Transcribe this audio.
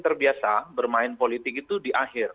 terbiasa bermain politik itu di akhir